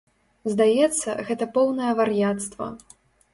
Здаецца, гэта поўнае вар'яцтва.